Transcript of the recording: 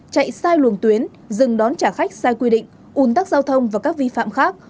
chạy sai luồng tuyến dừng đón trả khách sai quy định ủn tắc giao thông và các vi phạm khác